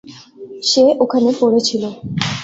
সে ওখানে পড়েছিল।